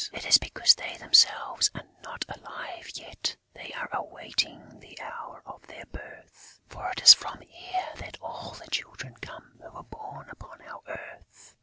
"It is because they themselves are not alive yet. They are awaiting the hour of their birth, for it is from here that all the children come who are born upon our earth.